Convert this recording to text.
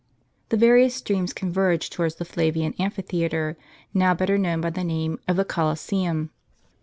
The various streams converge towards the Flavian amphitheatre, now better known by the name of the Coliseum.